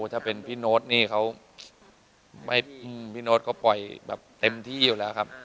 ถ้าเป็นพี่โน้ตนี่เขาปล่อยแบบเต็มที่อยู่แล้วครับ